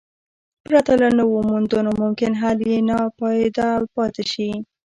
پرته له نویو موندنو ممکن حل یې ناپایده پاتې شي.